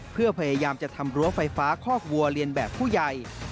เพื่อพยายามจะทำรั้วไฟฟ้าคอกวัวเรียนแบบผู้ใหญ่